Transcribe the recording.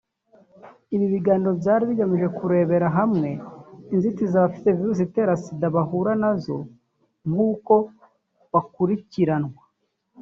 Ibi biganiro byari bigamije kurebera hamwe inzitizi abafite virusi itera sida bahura nazo n’uko bakurikiranwa